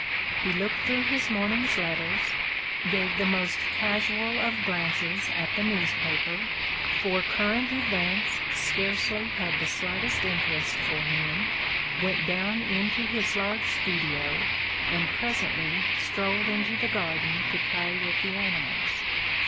He looked through his morning's letters, gave the most casual of glances at the A DAY WITH ROSSETTI. newspaper — ^for current events scarcely had the slightest interest for him — went down into his large studio, and presently strolled into the garden to play with the animals.